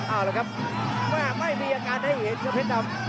อ้าวเหรอครับไม่มีอาการได้เห็นก็เพชรดำ